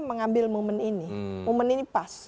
mengambil momen ini momen ini pas